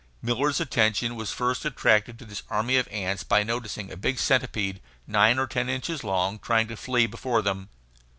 Miller's attention was first attracted to this army of ants by noticing a big centipede, nine or ten inches long, trying to flee before them.